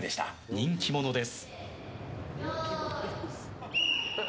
人気者です。